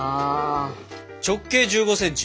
直径１５ｃｍ。